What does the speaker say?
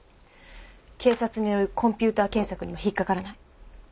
警察によるコンピューター検索にも引っ掛からない。